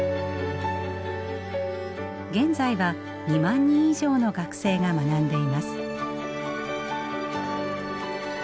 現在は２万人以上の学生が学んでいます。